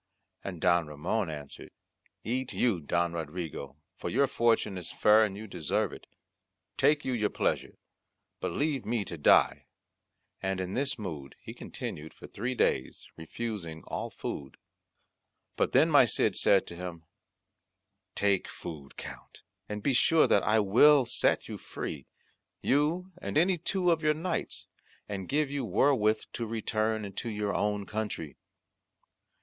And Don Ramond answered, "Eat you, Don Rodrigo, for your fortune is fair and you deserve it; take you your pleasure, but leave me to die." And in this mood he continued for three days, refusing all food. But then my Cid said to him, "Take food, Count, and be sure that I will set you free, you and any two of your knights, and give you wherewith to return into your own country."